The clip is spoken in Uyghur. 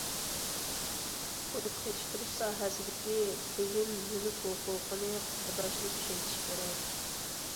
ئۇرۇق يېتىشتۈرۈش ساھەسىدىكى بىلىم مۈلۈك ھوقۇقىنى قوغداشنى كۈچەيتىش كېرەك.